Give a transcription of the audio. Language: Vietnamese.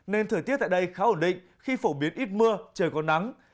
nên thời tiết tại đây khá ổn định khi phổ biến ít mưa trời có nắng